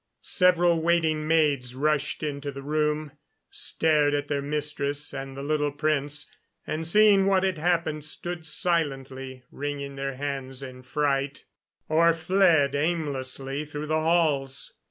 Several waiting maids rushed into the room, stared at their mistress and the little prince, and, seeing what had happened, stood silently wringing their hands in fright, or fled aimlessly through the halls.